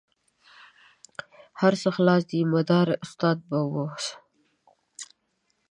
هر څه خلاص دي مداري استاد به اوس.